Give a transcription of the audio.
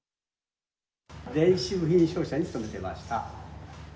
電子部品商社に勤めてました。